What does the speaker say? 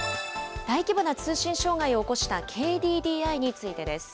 大規模な通信障害を起こしたＫＤＤＩについてです。